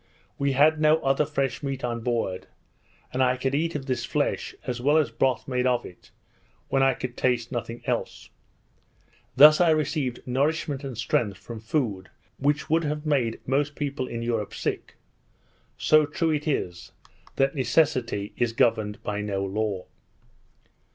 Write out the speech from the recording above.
We had no other fresh meat on board, and I could eat of this flesh, as well as broth made of it, when I could taste nothing else. Thus I received nourishment and strength from food which would have made most people in Europe sick: So true it is, that necessity is governed by no law.